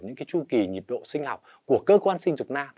những cái chu kỳ nhịp độ sinh học của cơ quan sinh dục nam